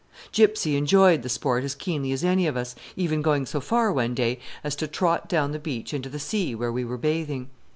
Gypsy enjoyed the sport as keenly as any of us, even going so far, one day, as to trot down the beach into the sea where we were bathing.